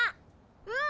うん！